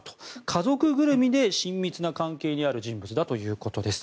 家族ぐるみで親密な関係にある人物だということです。